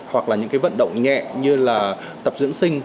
hoặc là những cái vận động nhẹ như là tập dưỡng sinh